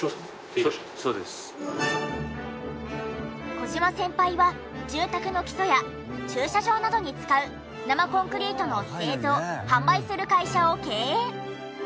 小島先輩は住宅の基礎や駐車場などに使う生コンクリートの製造・販売する会社を経営。